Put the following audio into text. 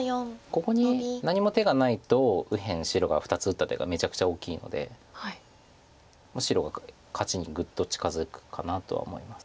ここに何も手がないと右辺白が２つ打った手がめちゃくちゃ大きいので白が勝ちにグッと近づくかなとは思います。